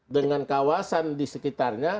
dengan kawasan di sekitarnya